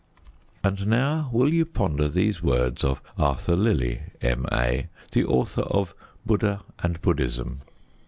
And now, will you ponder these words of Arthur Lillie, M.A., the author of Buddha and Buddhism?